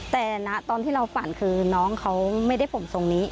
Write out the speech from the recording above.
แต่นะตอนที่เราฝันคือน้องเขาไม่ได้ผมทรงนี้